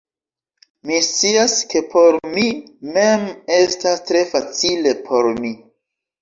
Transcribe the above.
Mi scias, ke por mi mem estas tre facile por mi